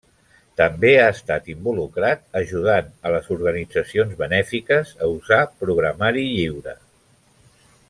També ha estat involucrat ajudant a les organitzacions benèfiques a usar programari lliure.